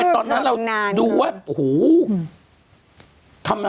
ตอนนั้นดูว่าโห